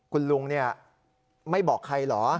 คุณลุงเนี่ยไม่บอกใครหรอ